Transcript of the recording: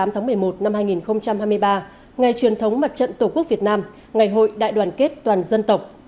một mươi tháng một mươi một năm hai nghìn hai mươi ba ngày truyền thống mặt trận tổ quốc việt nam ngày hội đại đoàn kết toàn dân tộc